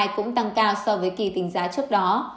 cũng tăng cao so với kỳ tính giá trước đó